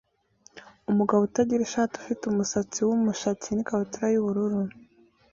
Umugabo utagira ishati ufite umusatsi wumushatsi n ikabutura yubururu